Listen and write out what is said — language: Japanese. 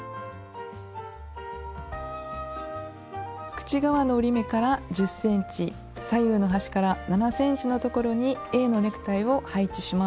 口側の折り目から１０ｃｍ左右の端から７ｃｍのところにａのネクタイを配置します。